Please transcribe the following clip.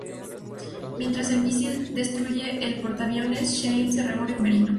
Mientras el misil destruye el portaaviones, Shane se reúne con Merino.